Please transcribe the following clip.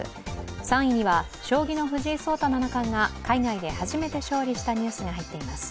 ３位には将棋の藤井聡太七冠が海外で初めて勝利したニュースが入っています。